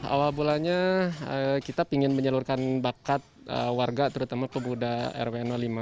awal bulannya kita ingin menyalurkan bakat warga terutama pemuda rw lima